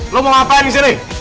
lo mau ngapain disini